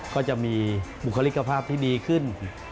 ก็จะมีบุคลิกภาพที่ดีขึ้น